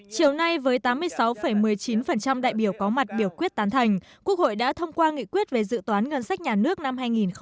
chiều nay với tám mươi sáu một mươi chín đại biểu có mặt biểu quyết tán thành quốc hội đã thông qua nghị quyết về dự toán ngân sách nhà nước năm hai nghìn một mươi chín